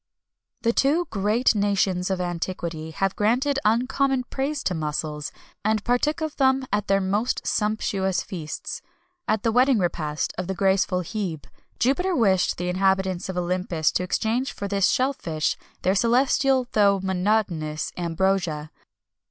The two great nations of antiquity have granted uncommon praise to mussels, and partook of them at their most sumptuous feasts. At the wedding repast of the graceful Hebe, Jupiter wished the inhabitants of Olympus to exchange for this shell fish their celestial though monotonous ambrosia.